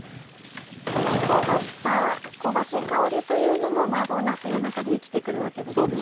この香ばしさ香ばしい香りというのも麻婆なすの中で生きて来るわけですね。